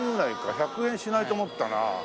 １００円しないと思ったな。